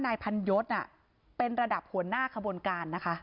นายพันยศเป็นระดับหัวหน้าขบวนการนะคะ